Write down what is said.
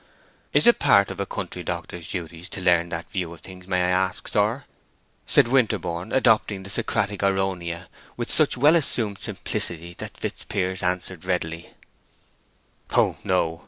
"Is it part of a country doctor's duties to learn that view of things, may I ask, sir?" said Winterborne, adopting the Socratic εἰρωνεία with such well assumed simplicity that Fitzpiers answered, readily, "Oh no.